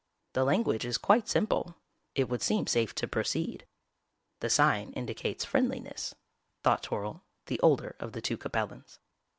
The language is quite simple. It would seem safe to proceed. The sign indicates friendliness_," thought Toryl, the older of the two Capellans.